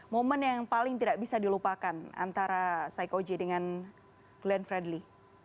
momen yang paling tidak bisa dilupakan antara saikoji dengan glenn fredly